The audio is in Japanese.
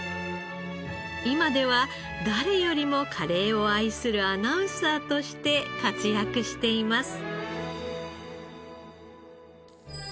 今では誰よりもカレーを愛するアナウンサーとして活躍しています。